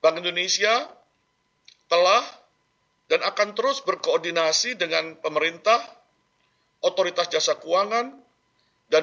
bank indonesia telah dan akan terus berkoordinasi dengan pemerintah otoritas jasa keuangan dan